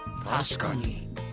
確かに。